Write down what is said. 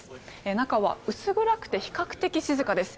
中は薄暗くて比較的静かです。